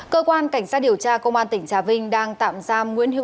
cơ quan cảnh sát điều tra công an tp trà vinh đang tạm giam nguyễn hiếu